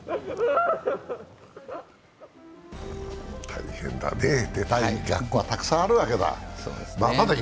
大変だね、出たい学校はたくさんあるわけだ。